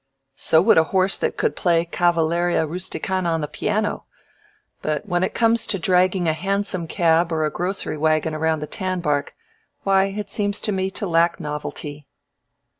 So would a horse that could play 'Cavalleria Rusticana' on the piano, but when it comes to dragging a hansom cab or a grocery wagon around the tanbark, why, it seems to me to lack novelty."